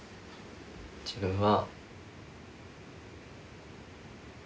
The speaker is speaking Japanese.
自分は。